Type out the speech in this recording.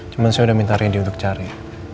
cuma saya udah minta rendy untuk cari